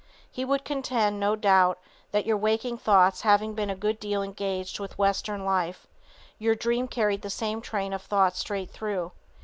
He would contend, no doubt, that your waking thoughts having been a good deal engaged with Western life, your dream carried the same train of thought straight through.